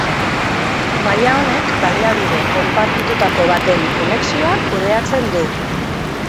Maila honek baliabide konpartitutako baten konexioa kudeatzen du.